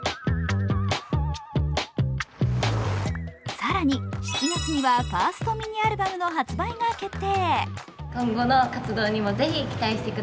更に、７月にはファーストミニアルバムの発売が決定。